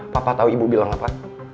papa tahu ibu bilang apa